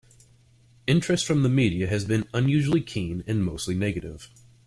Interest from the media has been unusually keen, and mostly negative.